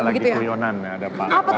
pak sekda lagi kuyonan ya ada pak wali